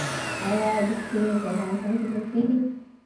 آیا بټکوین په افغانستان کې پیژندل کیږي؟